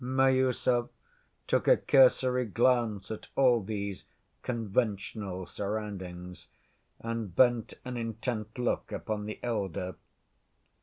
Miüsov took a cursory glance at all these "conventional" surroundings and bent an intent look upon the elder.